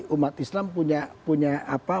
umat islam punya apa